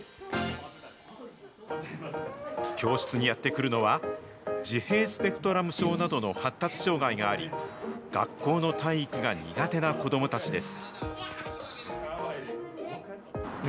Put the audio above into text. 教室にやって来るのは、自閉スペクトラム症などの発達障害があり、学校の体育が苦手な子どもたちです。